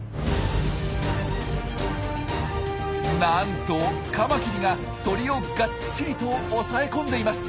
なんとカマキリが鳥をがっちりと押さえ込んでいます！